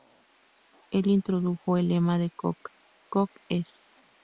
El introdujo el lema de Coke, "Coke es!